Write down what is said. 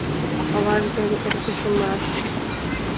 Аваж ден эргыжымат